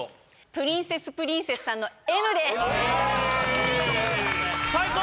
プリンセスプリンセスさんの「Ｍ」です最高！